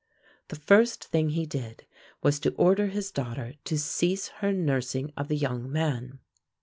The first thing he did was to order his daughter to cease her nursing of the young man.